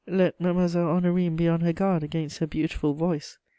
Let Mademoiselle Honorine be on her guard against her beautiful voice!